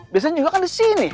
biasanya juga kan di sini